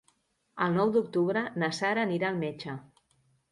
El nou d'octubre na Sara anirà al metge.